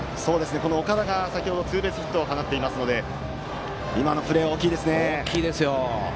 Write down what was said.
この岡田が先程ツーベースヒット放ちましたので今のプレーは大きいですね。